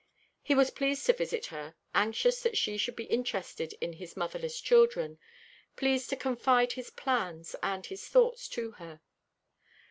He was pleased to visit her, anxious that she should be interested in his motherless children, pleased to confide his plans and his thoughts to her.